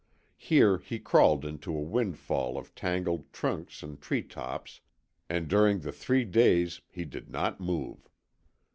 Here he crawled into a windfall of tangled trunks and tree tops, and during the three days he did not move.